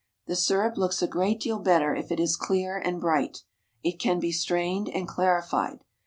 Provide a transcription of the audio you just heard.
The syrup looks a great deal better if it is clear and bright. It can be strained and clarified.